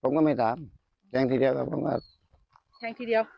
ผมก็ไม่ถามแทงทีเดียวแล้วผมก็แทงทีเดียว